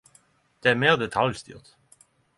Det er meir detaljstyrt.